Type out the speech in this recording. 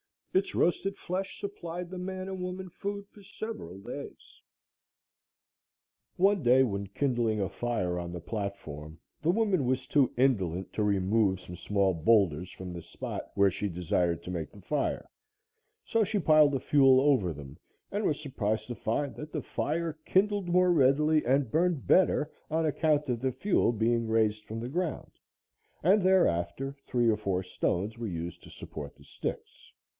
Its roasted flesh supplied the man and woman food for several days. One day, when kindling a fire on the platform, the woman was too indolent to remove some small boulders from the spot where she desired to make the fire, so she piled the fuel over them and was surprised to find that the fire kindled more readily and burned better on account of the fuel being raised from the ground, and thereafter, three or four stones were used to support the sticks.